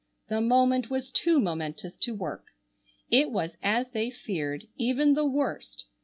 The moment was too momentous to work. It was as they feared, even the worst.